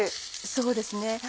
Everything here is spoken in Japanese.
そうですね。